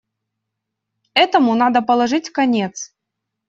Этому надо положить конец.